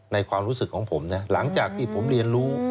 ความรู้สึกของผมนะหลังจากที่ผมเรียนรู้